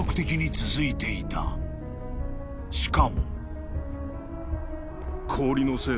［しかも］